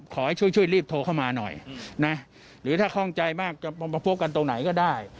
ขอให้ช่วยรีบโทรเข้ามาหน่อยนะหรือถ้าคล่องใจมากจะมาพบกันตรงไหนก็ได้